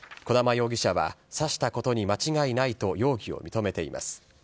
児玉容疑者は、刺したことに間違いないと容疑を認めています。